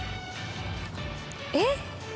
えっ⁉